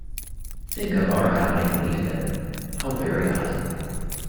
Think of our happening to meet him! — How very odd!